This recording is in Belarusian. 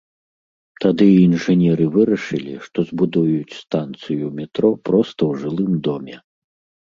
Тады інжынеры вырашылі, што збудуюць станцыю метро проста ў жылым доме.